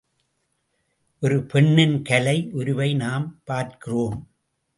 ஒரு பெண்ணின் கலை உருவை நாம் பார்க்கிறோம்.